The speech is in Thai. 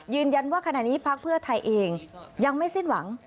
ยืนยันว่าขณะนี้พักเพื่อไทยเองยังไม่สิ้นหวัง